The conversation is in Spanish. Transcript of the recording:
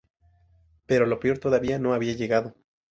Pero lo peor todavía no había llegado.